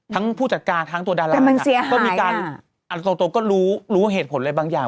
ทั้งผู้จัดการทั้งตัวดาร์ไลน์ก็มีการอันตรงก็รู้เหตุผลอะไรบางอย่าง